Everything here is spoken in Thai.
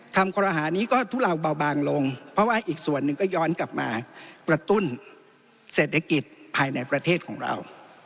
คอรหานี้ก็ทุเลาเบาบางลงเพราะว่าอีกส่วนหนึ่งก็ย้อนกลับมากระตุ้นเศรษฐกิจภายในประเทศของเรา